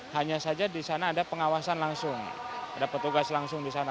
hanya saja di sana ada pengawasan langsung ada petugas langsung di sana